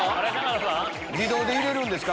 自動で揺れるんですか？